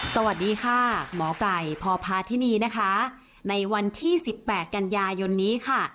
สวัสดีค่ะหมอไก่พพาธินีนะคะในวันที่สิบแปดกันยายนนี้ค่ะ